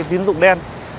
tiến dụng đen